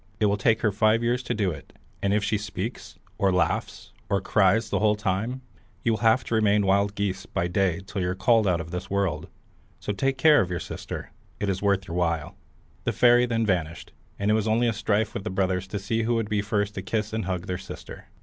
It will take her five years to do it, and if she once speaks, or laughs, or cries the whole time, you will have to remain wild geese by day till you're called out of the world. So take care of your sister; it is worth your while." The fairy then vanished, and it was only a strife with the brothers to see who would be first to kiss and hug their sister.